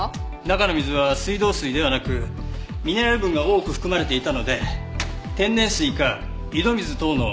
中の水は水道水ではなくミネラル分が多く含まれていたので天然水か井戸水等の地下水かと。